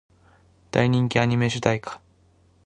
大人気アニメ主題歌